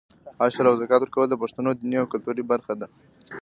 عشر او زکات ورکول د پښتنو دیني او کلتوري برخه ده.